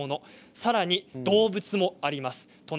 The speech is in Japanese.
さらに動物もあります。